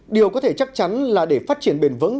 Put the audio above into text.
điều có thể chắc chắn là để phát triển bền vững